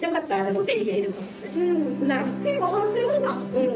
うん。